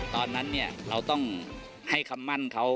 ตอนนั้นเราต้องให้คำมั่นเขา